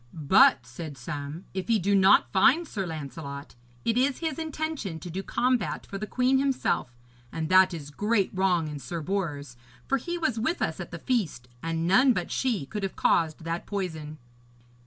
'But,' said some, 'if he do not find Sir Lancelot, it is his intention to do combat for the queen himself, and that is great wrong in Sir Bors, for he was with us at the feast, and none but she could have caused that poison.'